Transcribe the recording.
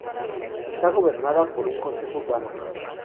Está gobernada por un Consejo Urbano.